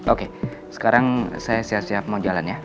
oke sekarang saya siap siap mau jalan ya